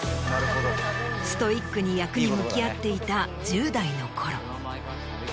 ストイックに役に向き合っていた１０代のころ。